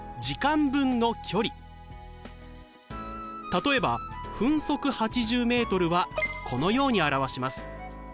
例えば分速８０ｍはこのように表します。